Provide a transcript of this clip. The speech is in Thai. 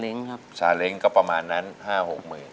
ล้างคุงความชะเล้งก็ประมาณนั้น๕๖หมื่น